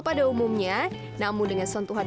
pada umumnya namun dengan sentuhan